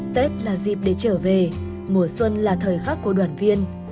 tết là dịp để trở về mùa xuân là thời khắc của đoàn viên